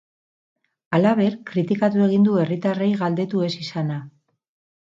Halaber, kritikatu egin du herritarrei galdetu ez izana.